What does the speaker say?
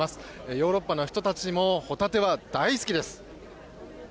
ヨーロッパの人たちもホタテは大好きです。